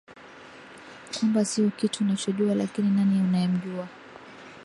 kwamba sio kitu unachojua lakini nani unayemjua